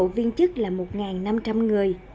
cán bộ viên chức là một năm trăm linh người